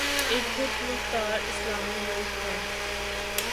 ایک خود مختار اسلامی ملک ہے